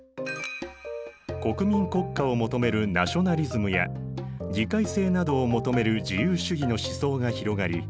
国民国家を求めるナショナリズムや議会制などを求める自由主義の思想が広がり